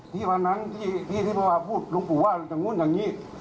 ที่วันนั้นที่เมื่อวานพูดหลวงปู่ว่าอย่างนู้นอย่างนี้